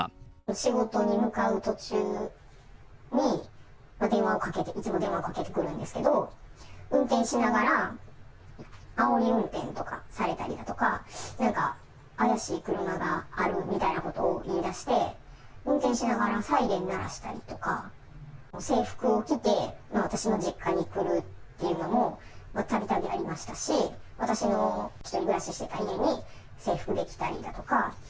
仕事に向かう途中に、電話をかけて、いつも電話をかけてくるんですけど、運転しながら、あおり運転とかされたりだとか、なんか、怪しい車があるみたいなことを言いだして、運転しながらサイレン鳴らしたりとか、制服を着て、私の実家に来ることもたびたびありましたし、私の１人暮らししてた家に、制服で来たりだとか。